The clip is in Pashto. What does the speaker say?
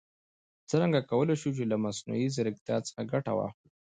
څرنګه کولای شو له مصنوعي ځیرکتیا څخه ګټه واخلو؟